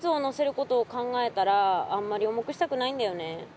ことを考えたらあんまり重くしたくないんだよね。